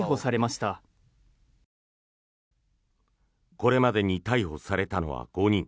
これまでに逮捕されたのは５人。